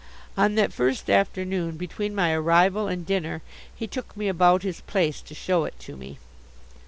On that first afternoon, between my arrival and dinner, he took me about his place, to show it to me.